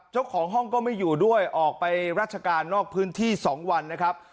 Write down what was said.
เจ้าของห้องก็ไม่อยู่ด้วยออกไปราชการนอกพื้นที่๒วันนะครับ